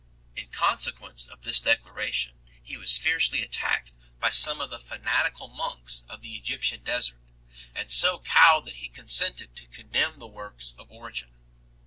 In con sequence of this declaration he was fiercely attacked by some of the fanatical monks of the Egyptian desert, and so cowed that he consented to condemn the works of Origen 1